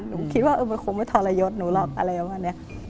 หนูคิดว่ามันคงไม่ทรยศหนูหรอกอะไรประมาณนี้